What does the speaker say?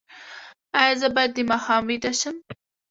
ایا زه باید د ماښام ویده شم؟